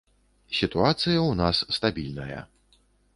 Сітуацыя ў нас стабільная.